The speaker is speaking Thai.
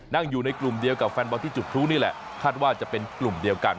นั่งอยู่ในกลุ่มเดียวกับแฟนบอลที่จุดพลุนี่แหละคาดว่าจะเป็นกลุ่มเดียวกัน